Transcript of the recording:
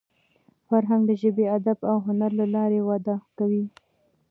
فرهنګ د ژبي، ادب او هنر له لاري وده کوي.